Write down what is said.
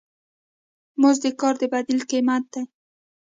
مزد د کار د بدیل قیمت دی.